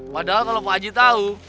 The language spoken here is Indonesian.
padahal kalo pak haji tau